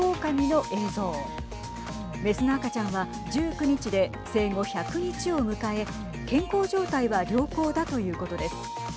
雌の赤ちゃんは１９日で生後１００日を迎え健康状態は良好だということです。